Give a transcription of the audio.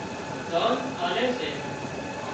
ۮانَ آلي سي